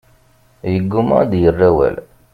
Yeggumma ad d-yerr awal.